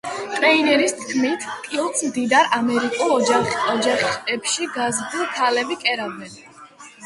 ტრეინერის თქმით, კილტს მდიდარ ამერიკულ ოჯახებში გაზრდილი ქალები კერავდნენ.